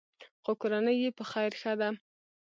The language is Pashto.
خو کورنۍ یې په خیر ښه ده.